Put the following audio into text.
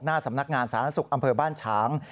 หน้าสำนักงานสาธารณสุขอำเภอบ้านฉาง